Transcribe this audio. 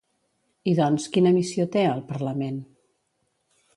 I doncs, quina missió té, el Parlament?